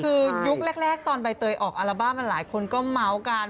คือยุคแรกตอนใบเตยออกอัลบั้มหลายคนก็เมาส์กัน